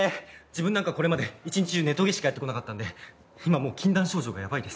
自分なんかこれまで一日中ネトゲしかやってこなかったんで今もう禁断症状がヤバいです。